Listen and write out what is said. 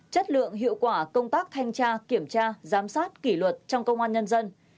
chất lượng hiệu quả công tác thanh tra kiểm tra giám sát kỷ luật trong công an nhân dân